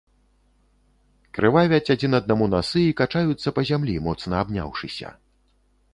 Крывавяць адзін аднаму насы і качаюцца па зямлі, моцна абняўшыся.